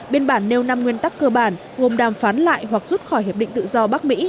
biên bản nêu năm nguyên tắc cơ bản gồm đàm phán lại hoặc rút khỏi hiệp định tự do bắc mỹ